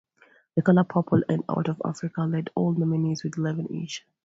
"The Color Purple" and "Out of Africa" led all nominees with eleven each.